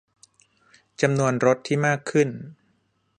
- จำนวนรถที่มากขึ้น